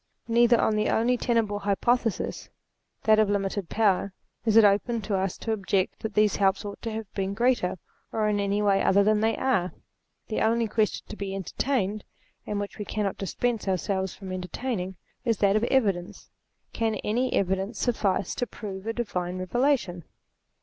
Neither on the only tenable hypothesis, that of limited power, is it open to us to object that these helps ought to have been greater, or in any way other than they are. The only question to be entertained, and which we cannot dis pense ourselves from entertaining, is that of evidence. Can any evidence suffice to prove a Divine Revela tion